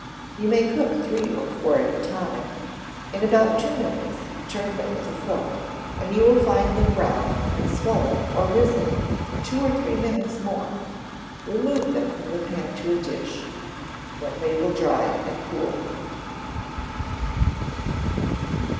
You may cook three or four at a time. In about two minutes turn them with a fork, and you will find them browned, and swollen or risen in two or three minutes more. Remove them from the pan to a dish, when they will dry and cool.